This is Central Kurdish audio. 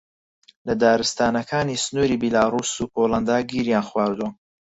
لە دارستانەکانی سنووری بیلاڕووس و پۆڵەندا گیریان خواردووە